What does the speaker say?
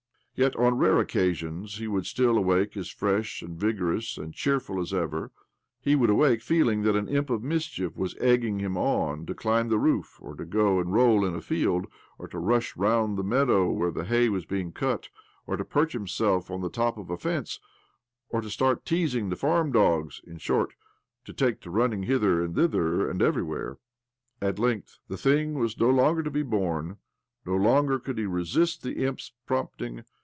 Yet on rare occasions he would still awake oblomov 151 as fresh and vigorous and cheerful as ever ; he would awake feeling that an im'p of mischief was egging him on to climb the roof, or to go and roll in a field, or to rush round the meadow where the hay was being cut, or to perch himself on the top of a fence, or to start teasing the farm dogs — in short, to take to running, hither and thither and everywhere. At length the thing was no longer to be borne ; no longer could he resist the imp's prompting.